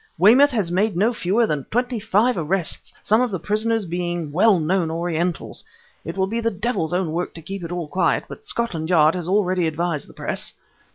"Weymouth has made no fewer than twenty five arrests, some of the prisoners being well known Orientals. It will be the devil's own work to keep it all quiet, but Scotland Yard has already advised the Press."